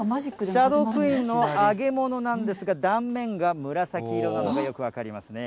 シャドークイーンの揚げ物なんですが、断面が紫色なのがよく分かりますね。